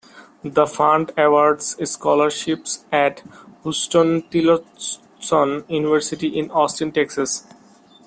The fund awards scholarships at Huston-Tillotson University in Austin, Texas.